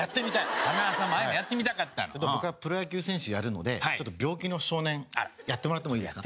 僕はプロ野球選手やるのでちょっと病気の少年やってもらってもいいですか？